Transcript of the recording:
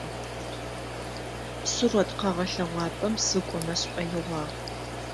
Сурэт къэгъэлъэгъуапӏэм сыкӏомэ сшӏоигъуагъ.